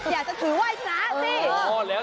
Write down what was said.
อยากจะถือไว้สนับสิ